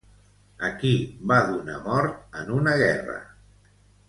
A qui va donar mort en una guerra?